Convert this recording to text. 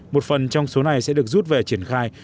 một phần trong số này sẽ được rút về triển khai